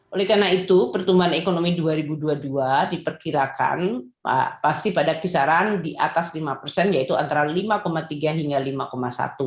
oleh karena itu pertumbuhan ekonomi dua ribu dua puluh dua diperkirakan pasti pada kisaran di atas lima persen yaitu antara lima tiga hingga lima satu